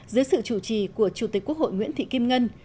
dưới sự chủ trì của chủ tịch quốc hội nguyễn thị kim ngân